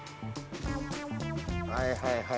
はいはいはい。